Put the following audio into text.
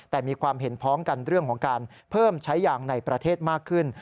แต่มีความเห็นพ้องกันเรื่องของการเพิ่มใช้ยางในประเทศมากขึ้น